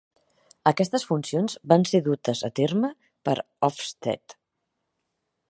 Aquestes funcions van ser dutes a terme per Ofsted.